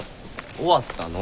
終わったの。